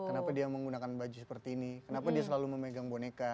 kenapa dia menggunakan baju seperti ini kenapa dia selalu memegang boneka